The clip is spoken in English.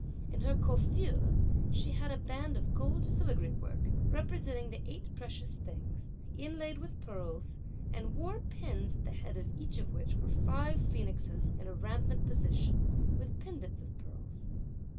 In her coiffure, she had a band of gold filigree work, representing the eight precious things, inlaid with pearls; and wore pins, at the head of each of which were five phoenixes in a rampant position, with pendants of pearls.